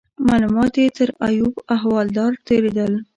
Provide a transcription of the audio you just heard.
معلومات یې تر ایوب احوالدار نه تیرېدل.